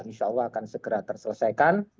insya allah akan segera terselesaikan